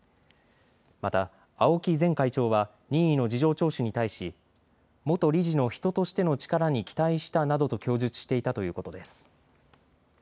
また青木前会長は任意の事情聴取に対し、元理事の人としての力に期待したなどと供述していたということです。